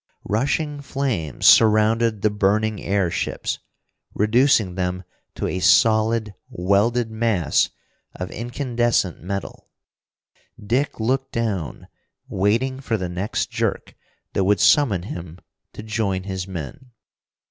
Rushing flames surrounded the burning airships, reducing them to a solid, welded mass of incandescent metal. Dick looked down, waiting for the next jerk that would summon him to join his men.